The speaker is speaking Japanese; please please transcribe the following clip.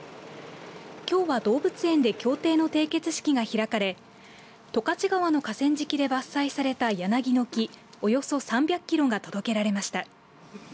きょうは動物園で協定の締結式が開かれ十勝川の河川敷で伐採された柳の木、およそ３００キロが届けられました。